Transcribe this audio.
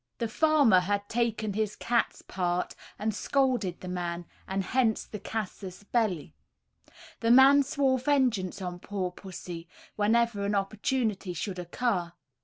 The farmer had taken his cat's part, and scolded the man, and hence the casus belli. The man swore vengeance on poor pussy, whenever an opportunity should occur.